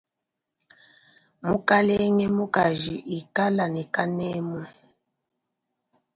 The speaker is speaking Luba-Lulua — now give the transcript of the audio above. Mukalenge mukaji ikala ne kanemu.